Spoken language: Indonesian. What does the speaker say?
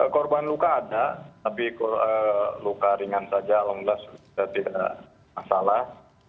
korban luka ada tapi luka ringan saja alhamdulillah sudah tidak masalah